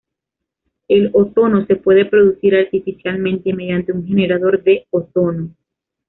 El ozono se puede producir artificialmente mediante un generador de ozono.